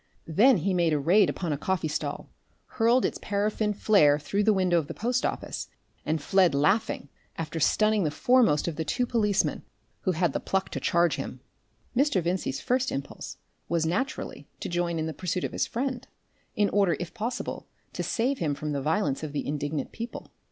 Then he made a raid upon a coffee stall, hurled its paraffin flare through the window of the post office, and fled laughing, after stunning the foremost of the two policemen who had the pluck to charge him. Mr. Vincey's first impulse was naturally to join in the pursuit of his friend, in order if possible to save him from the violence of the indignant people.